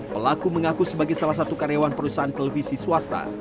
pelaku mengaku sebagai salah satu karyawan perusahaan televisi swasta